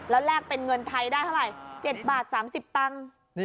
แล้วแลกเป็นเงินไทยได้เท่าไหร่๗บาท๓๐ตังค์